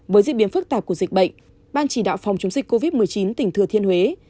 với diễn biến phức tạp của dịch bệnh ban chỉ đạo phòng chống dịch covid một mươi chín tỉnh thừa thiên huế